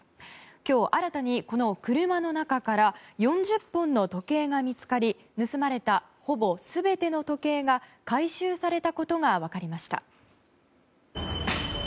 今日新たに、この車の中から４０本の時計が見つかり盗まれたほぼ全ての時計が回収されたことが分かりました。